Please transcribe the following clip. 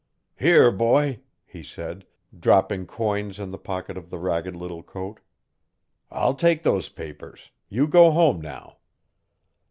'Here, boy,' he said, dropping corns in the pocket of the ragged little coat, 'I'll take those papers you go home now.